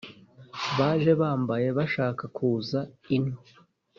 Baje bambaye, bashaka kuza ino